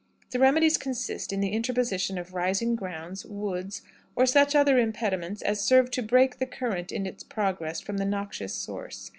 "The remedies consist in the interposition of rising grounds, woods, or such other impediments as serve to break the current in its progress from the noxious source.